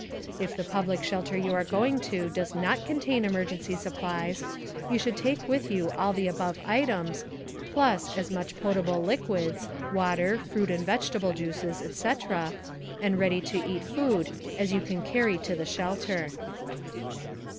If the public shelter you are going to does not contain emergency supplies, you should take with you all the above items, plus as much potable liquids (water, fruit and vegetable juices, etc.) and ready to eat food as you can carry to the shelter.